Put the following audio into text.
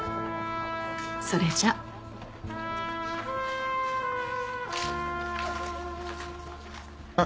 それじゃあっ